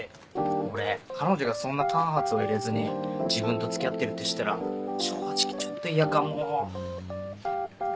俺彼女がそんな間髪を入れずに自分と付き合ってるって知ったら正直ちょっと嫌かも。